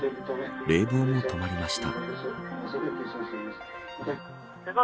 冷房も止まりました。